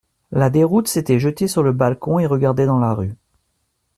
La Déroute s'était jeté sur le balcon et regardait dans la rue.